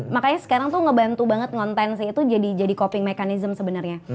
makanya sekarang tuh ngebantu banget nge content sih itu jadi coping mechanism sebenernya